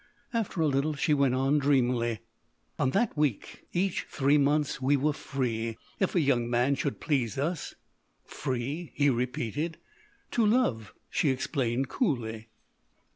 After a little, she went on dreamily: "On that week, each three months, we were free.... If a young man should please us...." "Free?" he repeated. "To love," she explained coolly.